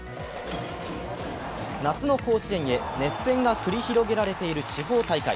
夏の甲子園へ熱戦が繰り広げられている地方大会。